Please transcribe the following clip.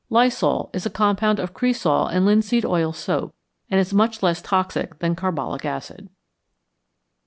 =Lysol= is a compound of cresol and linseed oil soap, and is much less toxic than carbolic acid.